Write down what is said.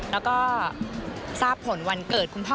นะคะ้าสร้อบผลวันเกิดคุณพ่อ